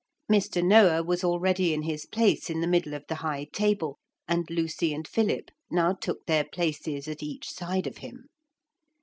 Mr. Noah was already in his place in the middle of the high table, and Lucy and Philip now took their places at each side of him.